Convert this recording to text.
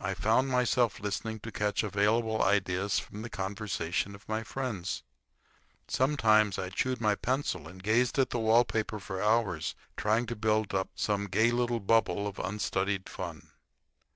I found myself listening to catch available ideas from the conversation of my friends. Sometimes I chewed my pencil and gazed at the wall paper for hours trying to build up some gay little bubble of unstudied fun.